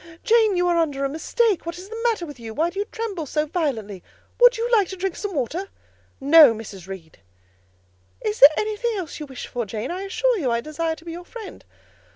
"Jane, you are under a mistake: what is the matter with you? Why do you tremble so violently? Would you like to drink some water?" "No, Mrs. Reed." "Is there anything else you wish for, Jane? I assure you, I desire to be your friend."